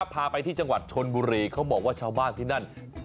พาไปที่จังหวัดชนบุรีเขาบอกว่าชาวบ้านที่นั่น